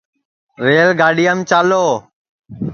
ریل گاڈِؔیام چالو